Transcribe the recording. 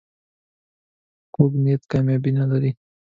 کوږ نیت کامیابي نه لري